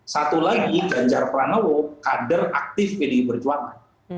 satu lagi ganjar pranowo kader aktif pdi perjuangan